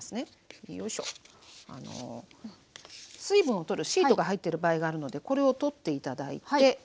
水分を取るシートが入ってる場合があるのでこれを取って頂いて。